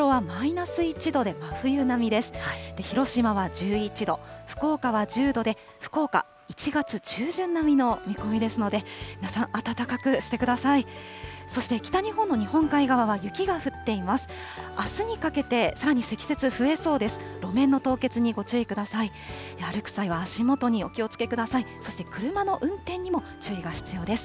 あすにかけてさらに積雪増えそうです。